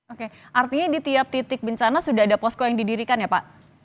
oke artinya di tiap titik bencana sudah ada posko yang didirikan ya pak